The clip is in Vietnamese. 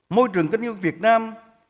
môi trường kinh doanh việt nam